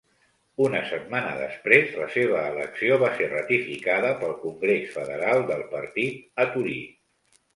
Una setmana després, la seva elecció va ser ratificada pel congrés federal de el partit a Torí.